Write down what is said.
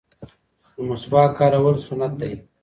د مسواک کارول سنت دی